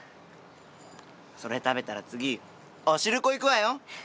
それ食べたら次お汁粉行くわよ。